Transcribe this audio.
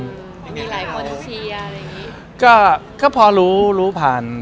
มีหลายคนเชียร์อะไรอย่างงี้